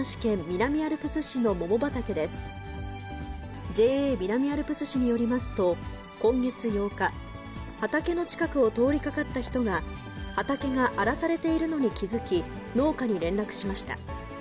ＪＡ南アルプス市によりますと、今月８日、畑の近くを通りかかった人が、畑が荒らされているのに気付き、農家に連絡しました。